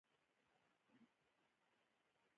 دغه روش خپلې ښېګڼې او عیبونه لرل.